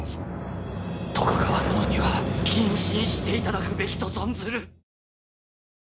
徳川殿には謹慎していただくべきと存ずる！